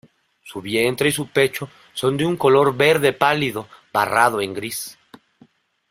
Su vientre y pecho son de color verde pálido barrado en gris.